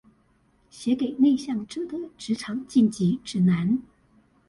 寫給內向者的職場進擊指南